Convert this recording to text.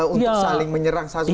untuk saling menyerang satu sama lain